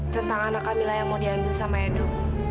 tentang anak kamila yang mau diambil sama edo